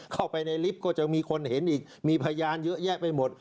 เข้าไปในลิฟต์ก็จะมีคนเห็นอีกมีพยานเยอะแยะไปหมด